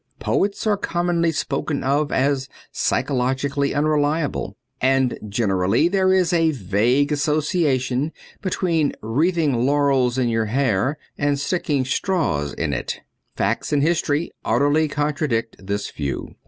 Poets are commonly spoken of as psychologically unreliable ; and generally there is a vague asso ciation between wreathing laurels in your hair and sticking straws in it. Facts and history utterly contradict this view.